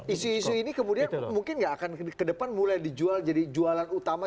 isu isu ini kemudian mungkin nggak akan ke depan mulai dijual jadi jualan utama